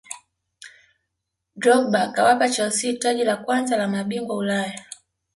drogba akawapa chelsea taji la kwanza la mabingwa ulaya